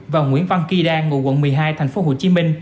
và nguyễn văn kỳ đan ngụ quận một mươi hai tp hcm